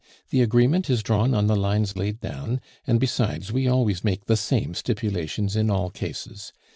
The agreement is drawn on the lines laid down, and besides, we always make the same stipulations in all cases.